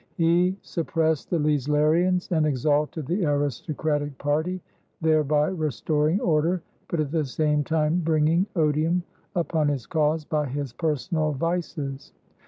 He suppressed the Leislerians and exalted the aristocratic party, thereby restoring order but at the same time bringing odium upon his cause by his personal vices.